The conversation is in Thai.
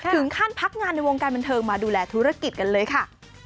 ถึงขั้นพักงานในวงการบันเทิงมาดูแลธุรกิจกันเลยค่ะ